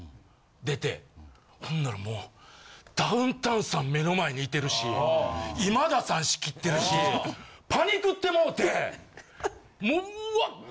出てほんならもうダウンタウンさん目の前にいてるし今田さん仕切ってるしパニクってもうてもううわ！